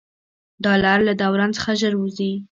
ډالر له دوران څخه ژر ووځي.